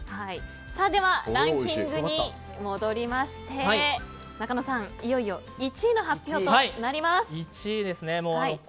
ではランキングに戻りましてなかのさん、いよいよ１位の発表となります。